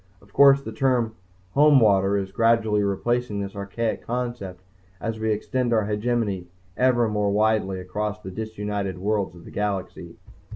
Of course, the term "Homewater" is gradually replacing this archaic concept as we extend our hegemony ever more widely across the disunited worlds of the galaxy.